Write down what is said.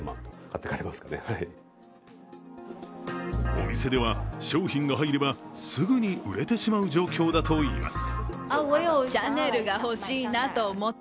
お店では、商品が入れば、すぐに売れてしまう状況だといいます。